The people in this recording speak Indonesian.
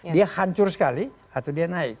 dia hancur sekali atau dia naik